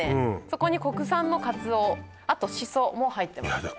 そこに国産のかつおあとしそも入ってますやだ